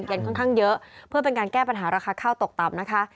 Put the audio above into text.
เย็นค่อนข้างเยอะเพื่อเป็นการแก้ปัญหาราคาข้าวตกต่ำนะคะ